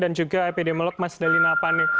dan juga epidemiolog mas dalina apane